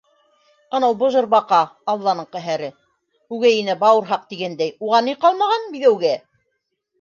Анау быжыр баҡа, алланың ҡәһәре, үгәй инә — бауырһаҡ, тигәндәй, уға ни ҡалмаған, биҙәүгә!